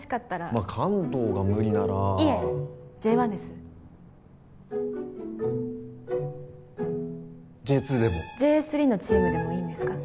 まあ関東が無理ならいえＪ１ですＪ２でもＪ３のチームでもいいんですか？